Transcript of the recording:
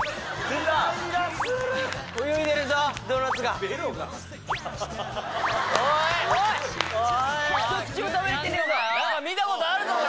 何か見たことあるぞ！